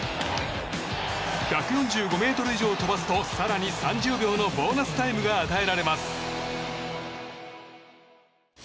１４５ｍ以上飛ばすと更に３０秒のボーナスタイムが与えられます。